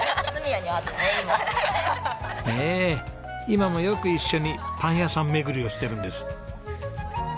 今もよく一緒にパン屋さん巡りをしてるんです。